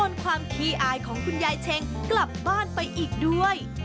ความขี้อายของคุณยายเช็งกลับบ้านไปอีกด้วย